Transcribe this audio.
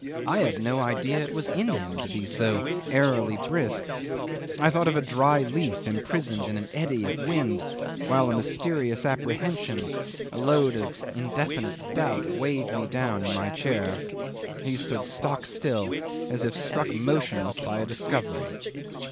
I had no idea it was in him to be so airily brisk. I thought of a dry leaf imprisoned in an eddy of wind, while a mysterious apprehension, a load of indefinite doubt, weighed me down in my chair. He stood stock still, as if struck motionless by a discovery.